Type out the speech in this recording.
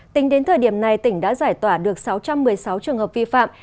tính đến thời điểm này tỉnh đã giải tỏa được sáu trăm một mươi sáu trường hợp vi phạm